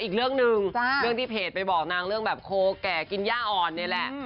อีกเรื่องหนึ่งเรื่องที่เพจไปบอกนางเรื่องแบบโคแก่กินย่าอ่อนนี่แหละ